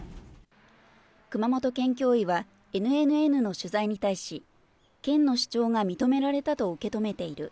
熊本県教委は、ＮＮＮの取材に対し、県の主張が認められたと受け止めている。